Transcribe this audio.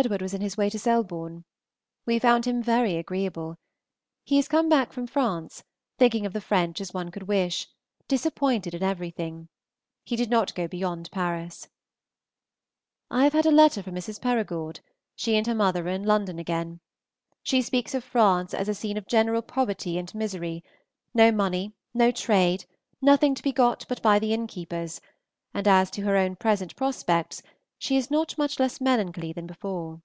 Edward was in his way to Selborne. We found him very agreeable. He is come back from France, thinking of the French as one could wish, disappointed in everything. He did not go beyond Paris. I have a letter from Mrs. Perigord; she and her mother are in London again. She speaks of France as a scene of general poverty and misery: no money, no trade, nothing to be got but by the innkeepers, and as to her own present prospects she is not much less melancholy than before.